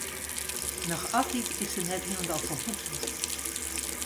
Noch altyd is se net hielendal folwoeksen.